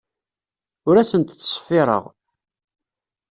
Ur asent-ttṣeffireɣ.